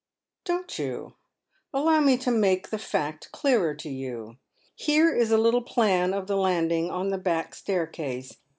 " Don't you? Allow me to make the fact clearer to you. Her© is a little plan of the landing on the back staircase."